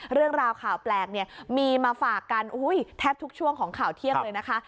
เรื่องราวข่าวแปลกเนี่ยมีมาฝากกันแทบทุกช่วงของข่าวเที่ยงเลยนะคะ